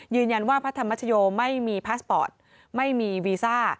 ยืนยันว่าพระธรรมชโยไม่มีพาสปอร์ตไม่มีวีซ่า